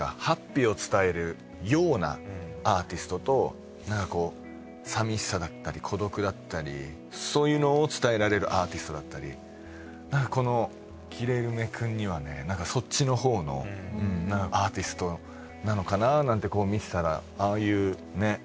ハッピーを伝えるようなアーティストとなんかこう寂しさだったり孤独だったりそういうのを伝えられるアーティストだったりなんかこのギレルメくんにはねそっちのほうのアーティストなのかななんて見てたらああいうね